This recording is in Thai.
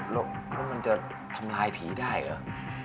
แล้วมันจะทำลายผีได้เหรอ